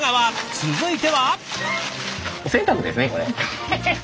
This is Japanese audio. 続いては？